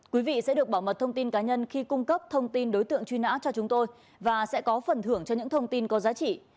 quý vị sẽ được bảo mật thông tin cá nhân khi cung cấp thông tin đối tượng truy nã cho chúng tôi và sẽ có phần thưởng cho những thông tin có giá trị